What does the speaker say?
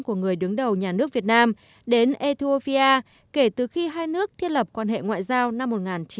của người đứng đầu nhà nước việt nam đến ethiopia kể từ khi hai nước thiết lập quan hệ ngoại giao năm một nghìn chín trăm bảy mươi